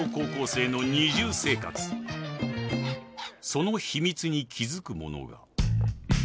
［その秘密に気付くものが］